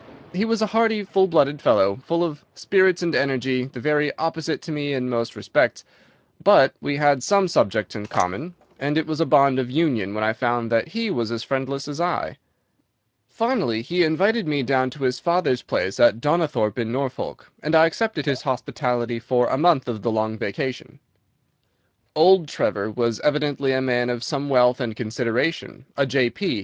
He was a hearty, full blooded fellow, full of spirits and energy, the very opposite to me in most respects, but we had some subjects in common, and it was a bond of union when I found that he was as friendless as I. Finally, he invited me down to his father's place at Donnithorpe, in Norfolk, and I accepted his hospitality for a month of the long vacation. "Old Trevor was evidently a man of some wealth and consideration, a J.P.